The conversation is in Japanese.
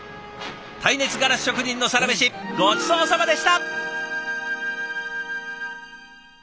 耐熱ガラス職人のサラメシごちそうさまでした！